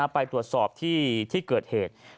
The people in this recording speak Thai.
ไปตรวจสอบที่เกิดเหตุ